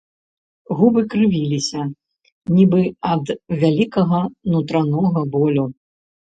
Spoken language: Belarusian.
Губы крывіліся, нібы ад вялікага нутранога болю.